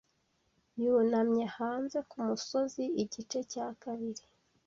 Yunamye hanze kumusozi igice cya kabiri,